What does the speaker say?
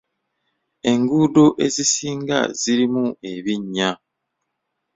Enguudo ezisinga zirimu ebinnya.